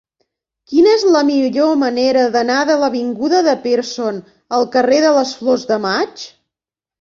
Quina és la millor manera d'anar de l'avinguda de Pearson al carrer de les Flors de Maig?